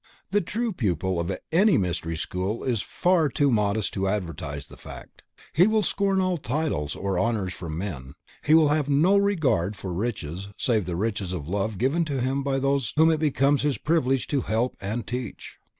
The true pupil of any Mystery School is far too modest to advertise the fact, he will scorn all titles or honors from men, he will have no regard for riches save the riches of love given to him by those whom it becomes his privilege to help and teach.